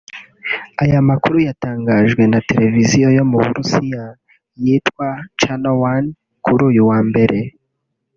Aya makuru yatangajwe na televiziyo yo mu Burusiya yitwa Channel One kuri uyu wa mbere